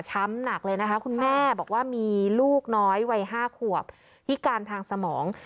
หนักเลยนะคะคุณแม่บอกว่ามีลูกน้อยวัย๕ขวบพิการทางสมอง